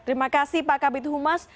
terima kasih pak kabir dumas